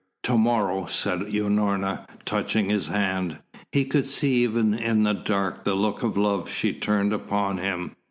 "To morrow," said Unorna, touching his hand. He could see even in the dark the look of love she turned upon him.